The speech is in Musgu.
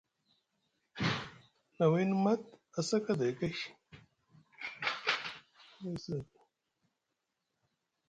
Na wiini Mat a sa kaday kay.